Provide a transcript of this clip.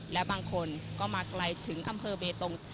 และบางคนก็มาไกลถึงอำเภอเบตง